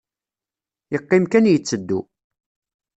Yeqqim kan yetteddu.